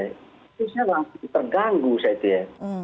terusnya langsung terganggu saya itu ya